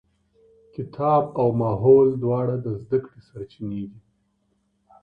کتاب او ماحول دواړه د زده کړې سرچينې دي.